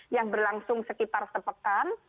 yang berlangsung sekitar sepekan